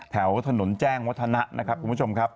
แถวถนนแจ้งวัฒนะนะครับคุณผู้ชมครับ